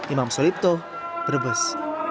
imam sulipto brebes